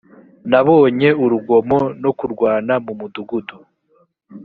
nabonye urugomo no kurwana mu mudugudu